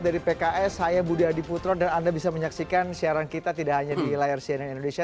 dari pks saya budi adiputro dan anda bisa menyaksikan siaran kita tidak hanya di layar cnn indonesia